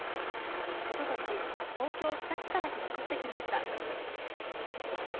おととし、東京・北区から引っ越してきました。